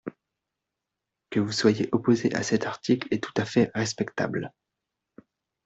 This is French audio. Que vous soyez opposé à cet article est tout à fait respectable.